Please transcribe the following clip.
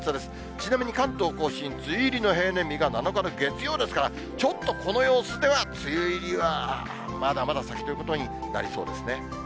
ちなみに関東甲信、梅雨入りの平年日が７日の月曜ですから、ちょっとこの様子では、梅雨入りは、まだまだ先ということになりそうですね。